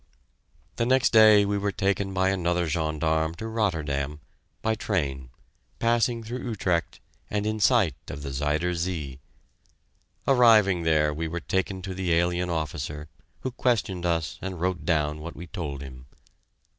The next day we were taken by another gendarme to Rotterdam by train, passing through Utrecht and in sight of the Zuider Zee. Arriving there, we were taken to the alien officer, who questioned us and wrote down what we told him.